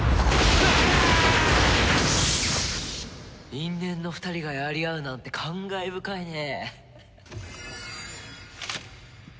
因縁の２人がやり合うなんて感慨深いねえ。